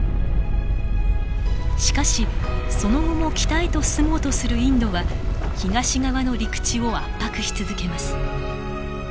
しかしその後も北へと進もうとするインドは東側の陸地を圧迫し続けます。